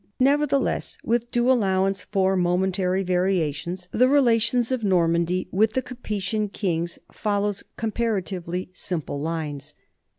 Nevertheless, with due allowance for momentary variations, the relations of Normandy with the Capetian kings follow comparatively simple lines.